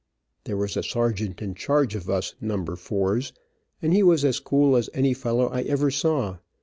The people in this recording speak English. There was a sergeant in charge of us "number fours," and he was as cool as any fellow I ever saw.